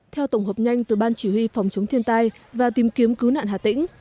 theo tổng hợp nhanh từ ban chỉ huy phòng chống thiên tai và tìm kiếm cứu nạn hà tĩnh